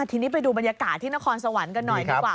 ทีนี้ไปดูบรรยากาศที่นครสวรรค์กันหน่อยดีกว่า